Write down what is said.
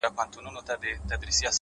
دا سر به د منصور غوندي و دار ته ور وړم!